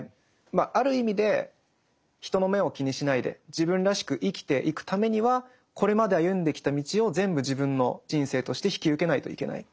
まあある意味で人の目を気にしないで自分らしく生きていくためにはこれまで歩んできた道を全部自分の人生として引き受けないといけない。